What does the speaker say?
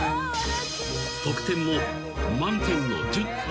［得点も満点の１０点］